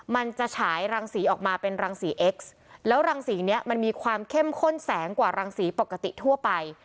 ฉายรังสีออกมาเป็นรังสีเอ็กซ์แล้วรังสีเนี้ยมันมีความเข้มข้นแสงกว่ารังสีปกติทั่วไป